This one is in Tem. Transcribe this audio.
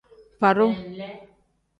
Fadu.